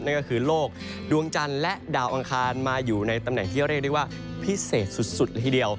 นั่นก็คือโลกดวงจันทร์และดาวอังคารมาอยู่ในตำแหน่งที่เรียกได้ว่าพิเศษสุดละทีเดียว